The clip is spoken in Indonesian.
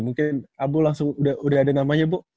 mungkin abu langsung udah ada namanya bu